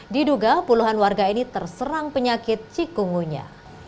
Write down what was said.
diduga puluhan warga ini terserang penyakit cikungunya